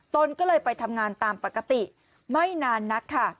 ตนก็เลยไปทำงานตามปกติไม่นานนักค่ะ